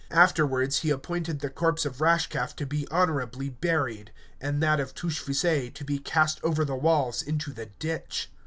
Afterwards he appointed the corpse of Rashcalf to be honourably buried, and that of Touchfaucet to be cast over the walls into the ditch.